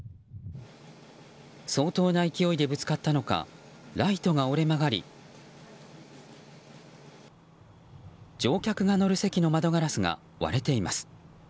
相当な勢いでぶつかったのかライトが折れ曲がり乗客が乗る席の窓ガラスが割れています。